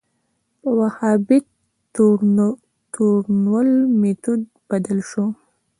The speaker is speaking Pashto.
په وهابیت تورنول میتود بدل شو